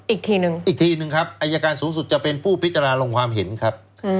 อีกทีหนึ่งอีกทีหนึ่งครับอายการสูงสุดจะเป็นผู้พิจารณาลงความเห็นครับ